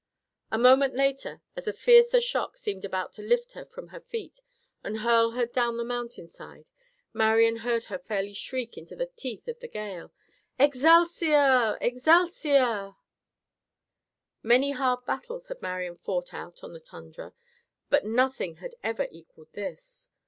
A moment later, as a fiercer shock seemed about to lift her from her feet and hurl her down the mountain side, Marian heard her fairly shriek into the teeth of the gale: "Excelsior! Excelsior!" Many hard battles had Marian fought out on the tundra, but nothing had ever equalled this.